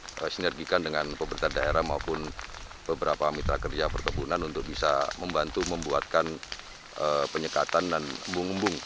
kita sinergikan dengan pemerintah daerah maupun beberapa mitra kerja perkebunan untuk bisa membantu membuatkan penyekatan dan embung embung